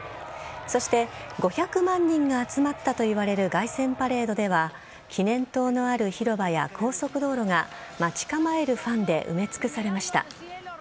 そして５００万人が集まったといわれる凱旋パレードでは記念塔のある広場や高速道路が待ち構えるファンで埋め尽くされました。